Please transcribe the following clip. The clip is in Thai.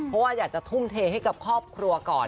เพราะว่าอยากจะทุ่มเทให้กับครอบครัวก่อน